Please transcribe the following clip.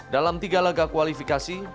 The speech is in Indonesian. dalam tiga laga kualifikasi